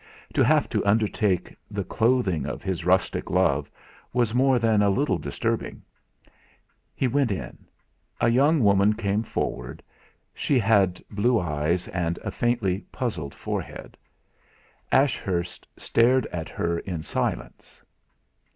To have to undertake the clothing of his rustic love was more than a little disturbing. He went in. A young woman came forward; she had blue eyes and a faintly puzzled forehead. Ashurst stared at her in silence.